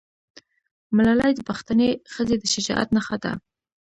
ملالۍ د پښتنې ښځې د شجاعت نښه ده.